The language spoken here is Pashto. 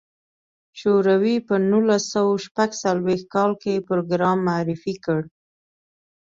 شوروي په نولس سوه شپږ څلوېښت کال کې پروګرام معرفي کړ.